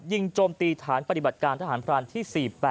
โจมตีฐานปฏิบัติการทหารพรานที่๔๘